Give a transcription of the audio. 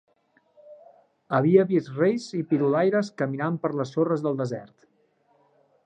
Havia vist reis i pidolaires caminant per les sorres del desert.